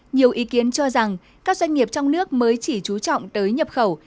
nhiều ý kiến cho rằng các doanh nghiệp trong nước mới chỉ trú trọng tới nhập khẩu